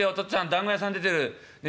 だんご屋さん出てる」。